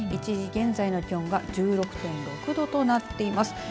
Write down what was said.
１時現在の気温が１６．６度となっています。